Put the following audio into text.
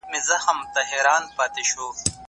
هغې له ما نه هیله وکړه چې په ځان پام وکړم.